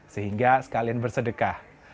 sehingga sekalian bersedekah